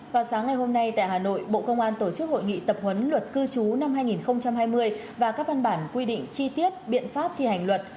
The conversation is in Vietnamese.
vào sáng ngày hôm nay tại hà nội bộ công an tổ chức hội nghị tập huấn luật cư trú năm hai nghìn hai mươi và các văn bản quy định chi tiết biện pháp thi hành luật